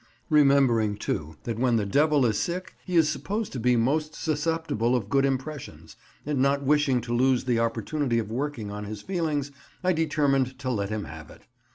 Remembering, too, that when the Devil is sick he is supposed to be most susceptible of good impressions, and not wishing to lose the opportunity of working on his feelings, I determined to let him have it.